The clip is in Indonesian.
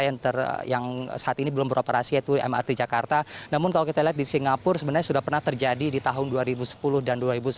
yang saat ini belum beroperasi yaitu mrt jakarta namun kalau kita lihat di singapura sebenarnya sudah pernah terjadi di tahun dua ribu sepuluh dan dua ribu sepuluh